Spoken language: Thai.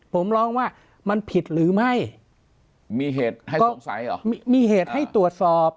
ผมร้องว่ามันผิดหรือไม่มีเหตุให้สงสัยเหรอมีเหตุให้ตรวจสอบ